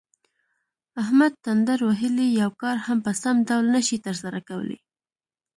احمد تندر وهلی یو کار هم په سم ډول نشي ترسره کولی.